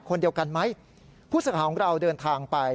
คนเดียวกันไหมผู้สื่อข่าวของเราเดินทางไป